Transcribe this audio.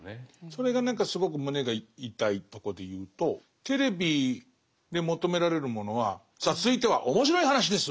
それが何かすごく胸が痛いとこで言うとテレビで求められるものは「さあ続いては面白い話です！」